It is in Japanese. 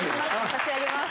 差し上げます。